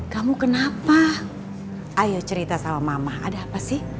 kamu kenapa ayo cerita sama mama ada apa sih